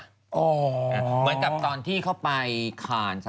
เหมือนกับตอนที่เข้าไปคาน